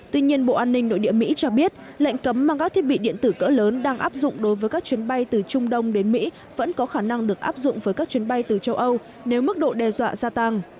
tuy nhiên bộ an ninh nội địa mỹ cho biết lệnh cấm mang các thiết bị điện tử cỡ lớn đang áp dụng đối với các chuyến bay từ trung đông đến mỹ vẫn có khả năng được áp dụng với các chuyến bay từ châu âu nếu mức độ đe dọa gia tăng